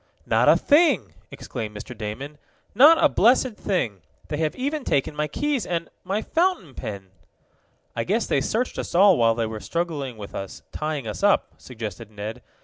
"Not a thing!" exclaimed Mr. Damon. "Not a blessed thing! They have even taken my keys and my fountain pen!" "I guess they searched us all while they were struggling with us, tying us up," suggested Ned.